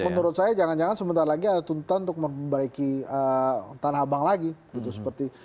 ya bahkan menurut saya jangan jangan sebentar lagi ada tuntutan untuk membaiki tanah abang lagi